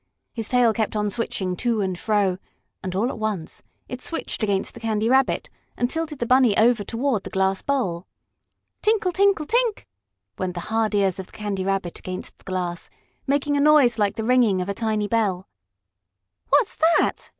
His tail kept on switching to and fro, and, all at once, it switched against the Candy Rabbit and tilted the Bunny over toward the glass bowl. "Tinkle tinkle! Tink!" went the hard ears of the Candy Rabbit against the glass, making a noise like the ringing of a little bell. "What's that?"